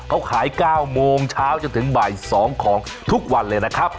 เขาขาย๙โมงเช้าจนถึงบ่าย๒ของทุกวันเลยนะครับ